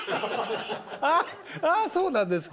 あっあそうなんですか！